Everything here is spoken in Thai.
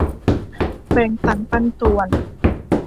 แบ่งสันปันส่วน